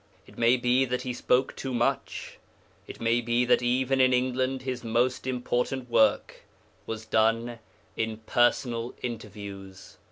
It may be that he spoke too much; it may be that even in England his most important work was done in personal interviews.